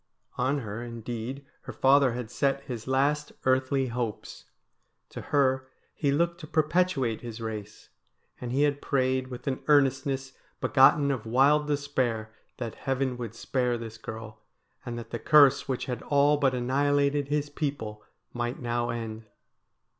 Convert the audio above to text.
On her, indeed, her father had set his last eartbly hopes. To her he looked to perpetuate his race, and he had prayed with an earnestness begotten of wild despair that heaven would spare this girl, and that the curse which had all but annihilated his people might now end.